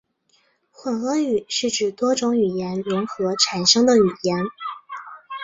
混合语是指多种语言融合产生的语言。